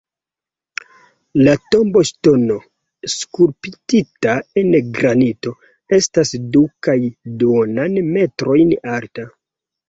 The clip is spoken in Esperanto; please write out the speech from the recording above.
La tomboŝtono skulptita en granito estas du kaj duonan metrojn alta.